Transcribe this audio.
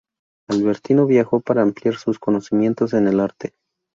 Albertino viajó para ampliar sus conocimientos en el arte.